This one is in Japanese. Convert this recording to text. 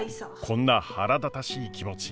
こんな腹立たしい気持ち